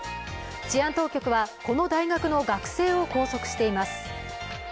治安当局はこの大学の学生を拘束しています。